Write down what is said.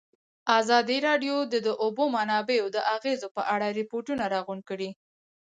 ازادي راډیو د د اوبو منابع د اغېزو په اړه ریپوټونه راغونډ کړي.